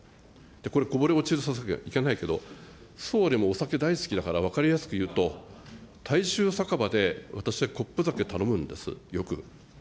これ、こぼれ落ちさせるわけにはいけないけど、総理もお酒大好きだから、分かりやすく言うと、大衆酒場で私はコップ酒頼むんです、よく。